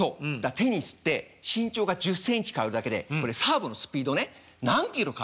テニスって身長が１０センチ変わるだけでサーブのスピードね何キロ変わるか知ってるか？